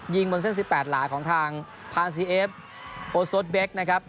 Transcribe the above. บนเส้น๑๘หลายของทางพานซีเอฟโอโซดเบคนะครับ